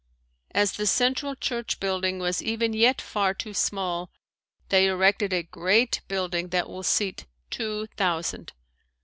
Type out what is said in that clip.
As the Central church building was even yet far too small they erected a great building that will seat two thousand.